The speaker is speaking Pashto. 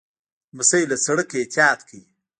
لمسی له سړک نه احتیاط کوي.